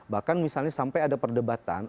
bahkan misalnya sampai ada perdebatan